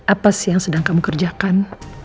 apa sih yang sedang kamu kerjakan